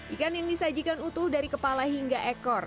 ikan yang disajikan utuh dari kepala hingga ekor